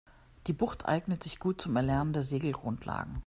Die Bucht eignet sich gut zum Erlernen der Segelgrundlagen.